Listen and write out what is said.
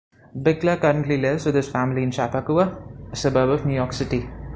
Bickler currently lives with his family in Chappaqua, a suburb of New York City.